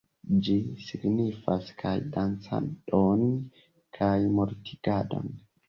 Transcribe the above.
Ĝi signifas kaj dancadon kaj mortigadon